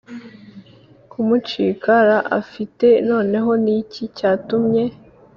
Kumucik ra afite noneho ni iki cyatumye